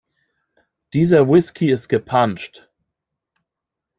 Dieser Whisky ist gepanscht.